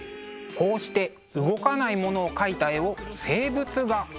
こうして動かないものを描いた絵を静物画と呼びます。